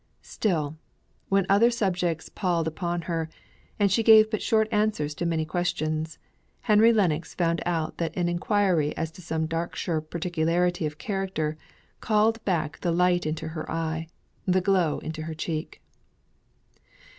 Still, when other subjects palled upon her, and she gave but short answers to many questions, Henry Lennox found out that an enquiry as to some Darkshire peculiarity of character called back the light into her eye, the glow into her cheek.